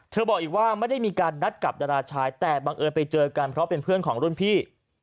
บอกอีกว่าไม่ได้มีการนัดกับดาราชายแต่บังเอิญไปเจอกันเพราะเป็นเพื่อนของรุ่นพี่